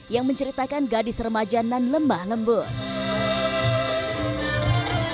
yang menceritakan gadis remaja nan lemah lembut